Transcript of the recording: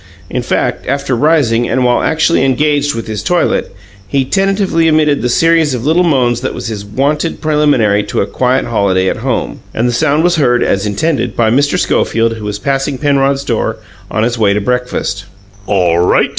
In fact, after rising, and while actually engaged with his toilet, he tentatively emitted the series of little moans that was his wonted preliminary to a quiet holiday at home; and the sound was heard (as intended) by Mr. Schofield, who was passing Penrod's door on his way to breakfast. "ALL right!"